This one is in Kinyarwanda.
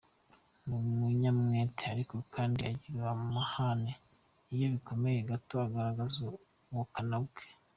Ni umunyamwete ariko kandi ugira amahane iyo bikomeye gato agaragaza ubukana ubwe.